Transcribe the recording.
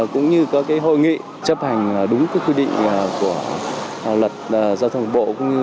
cũng như có hội nghị chấp hành đúng quy định